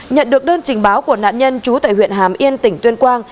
nhận được đơn trình báo của nạn nhân trú tại huyện hàm yên tỉnh tuyên quang